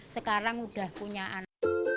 sekarang udah punya anak